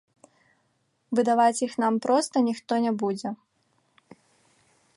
Выдаваць іх нам проста ніхто не будзе!